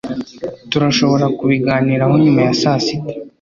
turashobora kubiganiraho nyuma ya sasita